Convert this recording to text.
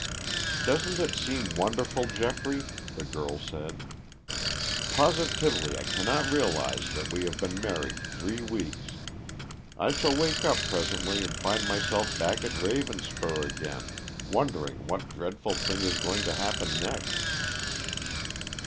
"Doesn't it seem wonderful, Geoffrey?" the girl said. "Positively I cannot realize that we have been married three weeks. I shall wake up presently and find myself back at Ravenspur again wondering what dreadful thing is going to happen next."